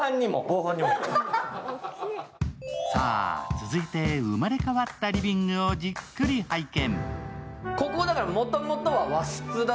続いて、生まれ変わったリビングをじっくり拝見。